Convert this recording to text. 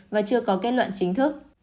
và chưa có kết luận chính thức